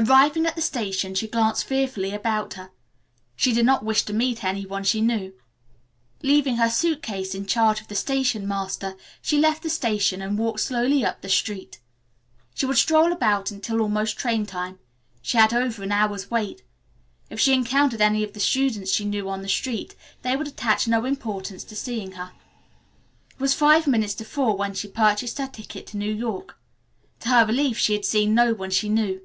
Arrived at the station she glanced fearfully about her. She did not wish to meet any one she knew. Leaving her suit case in charge of the station master she left the station and walked slowly up the street. She would stroll about until almost train time. She had over an hour's wait. If she encountered any of the students she knew on the street they would attach no importance to seeing her. It was five minutes to four when she purchased her ticket to New York. To her relief she had seen no one she knew.